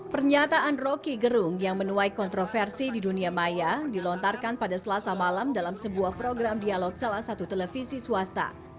pernyataan roky gerung yang menuai kontroversi di dunia maya dilontarkan pada selasa malam dalam sebuah program dialog salah satu televisi swasta